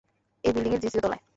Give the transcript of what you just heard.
এই বিল্ডিং এর, দ্বিতীয় তলায়।